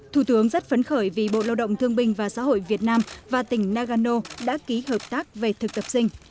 thủ tướng rất phấn khởi vì bộ lao động thương binh và xã hội việt nam và tỉnh nagano đã ký hợp tác về thực tập sinh